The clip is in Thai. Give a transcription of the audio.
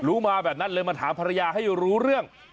มาแบบนั้นเลยมาถามภรรยาให้รู้เรื่อง